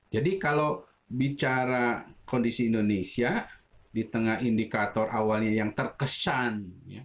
jadi kalau bicara kondisi indonesia di tengah indikator awalnya yang terkesan